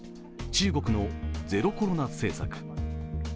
中国のゼロコロナ政策。